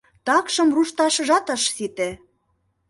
Такшым рушташыжат ыш сите.